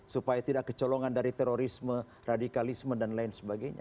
supaya tidak kecolongan dari terorisme radikalisme dan lain sebagainya